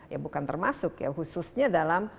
ya bukan termasuk ya khususnya dalam